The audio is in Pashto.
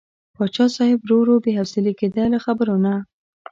پاچا صاحب ورو ورو بې حوصلې کېده له خبرو نه.